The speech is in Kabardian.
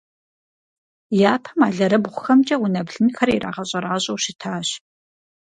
Япэм алэрыбгъухэмкӏэ унэ блынхэр ирагъэщӏэращӏэу щытащ.